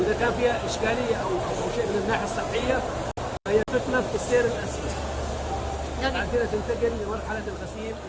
hai sekarat selimah